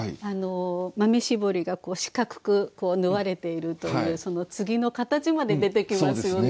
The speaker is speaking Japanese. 豆絞りがこう四角く縫われているというその継ぎの形まで出てきますよね。